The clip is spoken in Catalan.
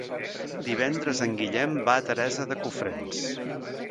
Divendres en Guillem va a Teresa de Cofrents.